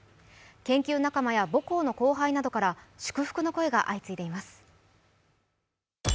研究仲間や母校の後輩などから祝福の声が相次いでいます。